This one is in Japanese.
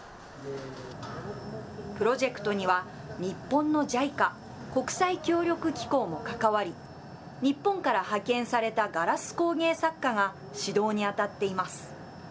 プロジェクトには、日本のＪＩＣＡ・国際協力機構も関わり、日本から派遣されたガラス工芸作家が指導に当たっています。